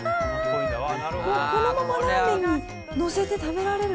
このままラーメンに載せて食べられる。